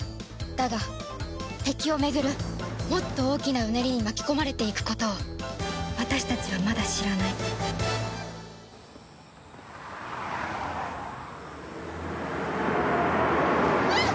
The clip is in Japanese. だが敵を巡るもっと大きなうねりに巻き込まれていくことを私たちはまだ知らないキャッ！